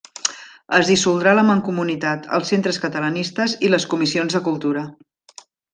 Es dissoldrà la Mancomunitat, els centres catalanistes i les comissions de cultura.